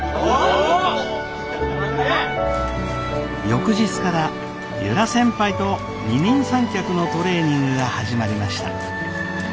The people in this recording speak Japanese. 翌日から由良先輩と二人三脚のトレーニングが始まりました。